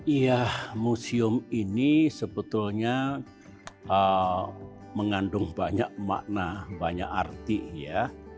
iya museum ini sebetulnya mengandung banyak makna banyak arti ya